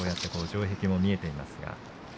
城壁も見えています。